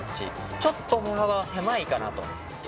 ちょっと歩幅が狭いかなと。